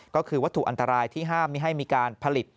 ก็คือวัตถุอันตรายที่ห้ามไม่ให้มีการผลิต